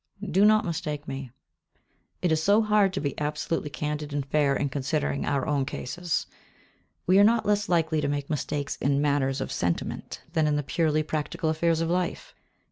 Do not mistake me; it is so hard to be absolutely candid and fair in considering our own cases. We are not less likely to make mistakes in matters of sentiment than in the purely practical affairs of life.